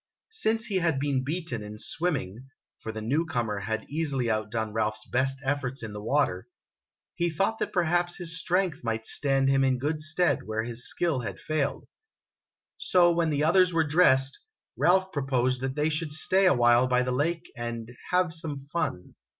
Since he had been beaten in swimming (for the new comer had easily outdone Ralph's best efforts in the water), he thought that perhaps his strength might stand him in good stead where his skill had failed. So, when the others were dressed, Ralph proposed that they should stay a while by the lake and " have some fun."